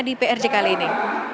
di prc kali ini